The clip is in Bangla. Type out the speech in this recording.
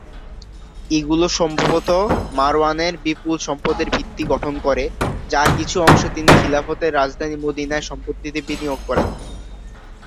এগুলো সম্ভবত মারওয়ানের বিপুল সম্পদের ভিত্তি গঠন করে, যার কিছু অংশ তিনি খিলাফতের রাজধানী মদীনায় সম্পত্তিতে বিনিয়োগ করেন।